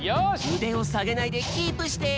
うでをさげないでキープして！